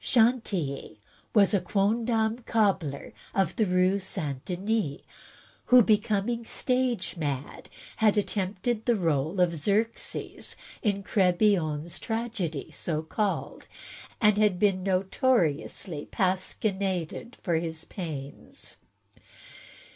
Chantilly was a quondam cobbler of the Rue St. Denis, who, becom ing stage mad, had attempted the role of Xerxes, in Crebillon's tragedy so called, and been notoriously pasquinaded for his pains.